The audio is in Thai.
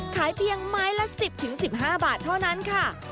ขายเพียงไม้ละ๑๐๑๕บาทเท่านั้นค่ะ